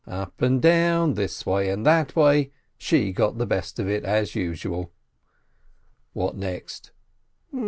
Up and down, this way and that way, she got the best of it, as usual. What next?